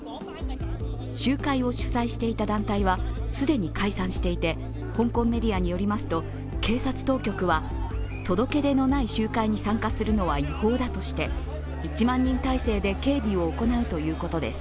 集会を主催していた団体は既に解散していて、香港メディアによりますと、警察当局は届け出のない集会に参加するのは違法だとして１万人態勢で警備を行うということです。